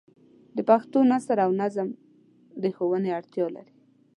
د پښتو نثر او نظم د ښوونې اړتیا لري.